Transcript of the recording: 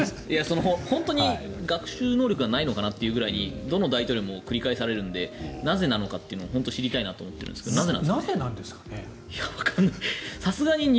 本当に学習能力がないのかなというぐらいにどの大統領も繰り返されるのでなぜなのかというのを本当に知りたいと思っているんですがなぜなんですかね？